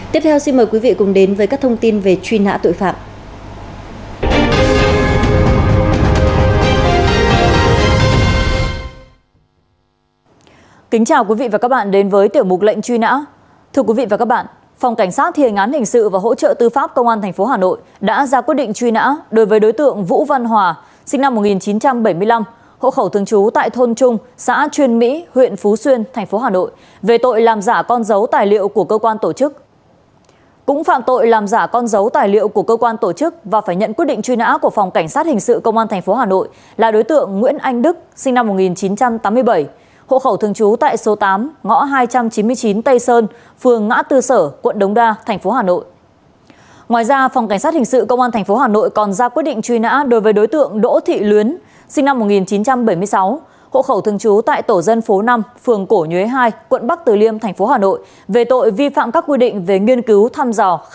tiếp theo xin mời quý vị cùng đến với các thông tin về truy nã tội phạm